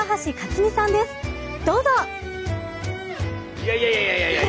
いやいやいやいや。